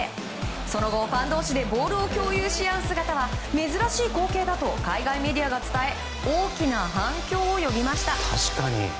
その後、ファン同士でボールを共有し合う姿は珍しい光景だと海外メディアが伝え大きな反響を呼びました。